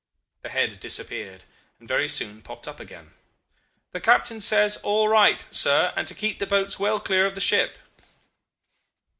The head disappeared, and very soon popped up again. 'The captain says, All right, sir, and to keep the boats well clear of the ship.